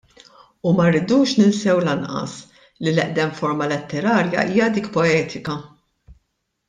U ma rridux ninsew lanqas li l-eqdem forma letterarja hija dik poetika.